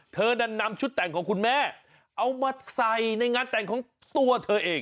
เธอนั้นนำชุดแต่งของคุณแม่เอามาใส่ในงานแต่งของตัวเธอเอง